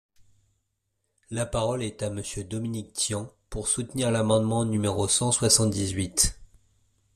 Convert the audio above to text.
La parole est à Monsieur Dominique Tian, pour soutenir l’amendement numéro cent soixante-dix-huit.